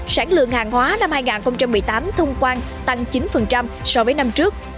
sản lượng hàng hóa năm hai nghìn một mươi tám thông quan tăng chín so với năm trước